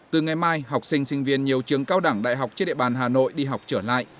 từ ngày mai học sinh sinh viên nhiều trường cao đẳng đại học trên địa bàn hà nội đi học trở lại